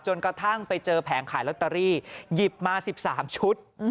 กระทั่งไปเจอแผงขายลอตเตอรี่หยิบมา๑๓ชุด